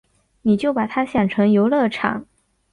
你就把他想成游乐场